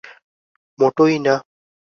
মোটোই না।